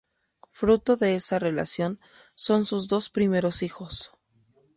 Fruto de esa relación son sus dos primeros hijos.